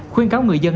khuyên cáo người dân